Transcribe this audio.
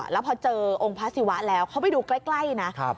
แล้วพอเจอองค์พระศิวะแล้วเขาไปดูใกล้นะ